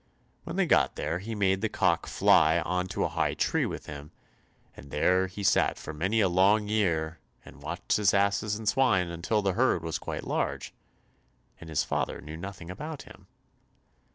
When they got there he made the cock fly on to a high tree with him, and there he sat for many a long year, and watched his asses and swine until the herd was quite large, and his father knew nothing about him.